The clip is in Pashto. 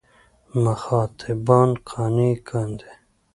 مخاطبان قانع کاندي.